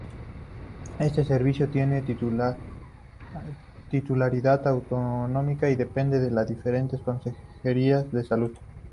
Este servicio tiene titularidad autonómica y depende de las diferentes consejerías de salud.